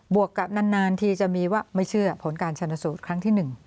วกกับนานทีจะมีว่าไม่เชื่อผลการชนสูตรครั้งที่๑